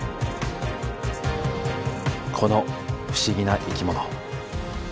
この不思議な生き物。